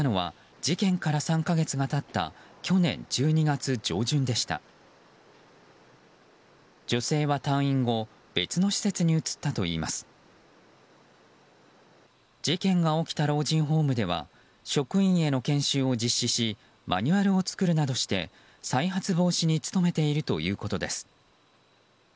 事件が起きた老人ホームでは職員への研修を実施しマニュアルを作るなどして再発防止に努めているということです。